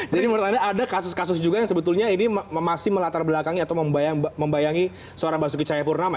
ya makanya ada kasus kasus juga yang sebetulnya ini masih melatar belakangnya atau membayangi seorang mbak suki cahayapurnama